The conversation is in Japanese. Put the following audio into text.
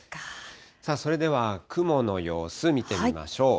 それでは雲の様子見てみましょう。